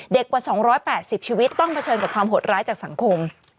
กว่า๒๘๐ชีวิตต้องเผชิญกับความโหดร้ายจากสังคม